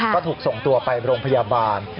ก็ถูกส่งตัวไปโรงพยาบาล